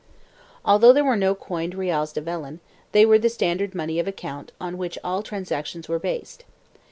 Although there were no coined reales de vellon, they were the standard money of account on which all transactions were based.